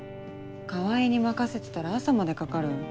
川合に任せてたら朝までかかる。